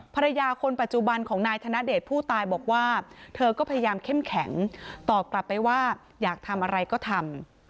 ภรรยาคนปัจจุบันของนายธนเดชผู้ตายบอกว่าเธอก็พยายามเข้มแข็งตอบกลับไปว่าอยากทำอะไรก็ทำ